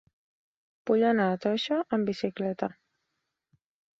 Vull anar a Toixa amb bicicleta.